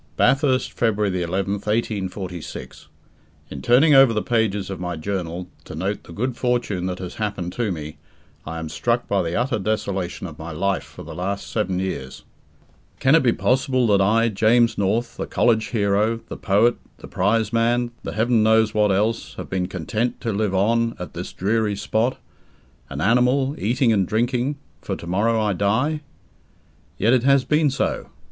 Bathurst, February 11th, 1846. In turning over the pages of my journal, to note the good fortune that has just happened to me, I am struck by the utter desolation of my life for the last seven years. Can it be possible that I, James North, the college hero, the poet, the prizeman, the Heaven knows what else, have been content to live on at this dreary spot an animal, eating and drinking, for tomorrow I die? Yet it has been so.